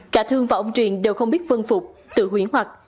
cả thương và ông truyền đều không biết phân phục tự huyển hoặc